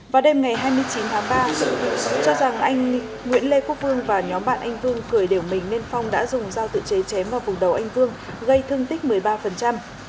vào đêm ngày hai mươi chín tháng ba cho rằng anh nguyễn lê quốc vương và nhóm bạn anh vương cười đều mình nên phong đã dùng dao tự chế chém vào vùng đầu anh vương gây thương tích một mươi ba